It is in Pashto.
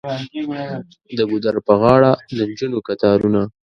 د ګودر په غاړه د نجونو کتارونه.